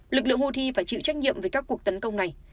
lực lượng houthi phải chịu trách nhiệm về các cuộc tấn công này